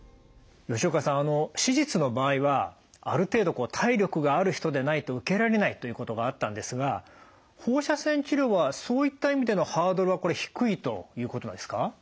吉岡さん手術の場合はある程度体力がある人でないと受けられないということがあったんですが放射線治療はそういった意味でのハードルはこれ低いということなんですか？